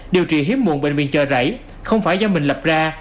điều trị hiếm muộn bệnh viện trời rảy không phải do mình lập ra